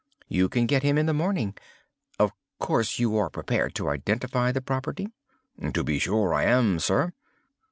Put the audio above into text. You can get him in the morning. Of course you are prepared to identify the property?" "To be sure I am, sir."